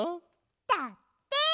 だって。